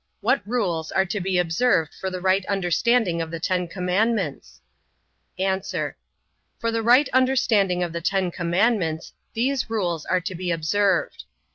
What rules are to be observed for the right understanding of the Ten Commandments? A. For the right understanding of the Ten Commandments, these rules are to be observed: 1.